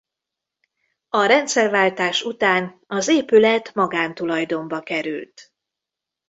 A rendszerváltás után az épület magántulajdonba került.